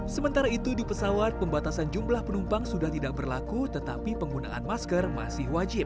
sementara itu di pesawat pembatasan jumlah penumpang sudah tidak berlaku tetapi penggunaan masker masih wajib